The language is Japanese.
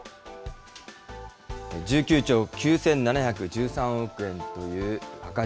１９兆９７１３億円という赤字。